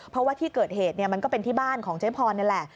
เพราะว่าที่เกิดเหตุมันก็เป็นที่บ้านของเจ๊พรนี่แหละ